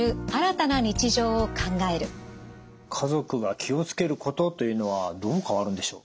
家族が気を付けることというのはどう変わるんでしょう？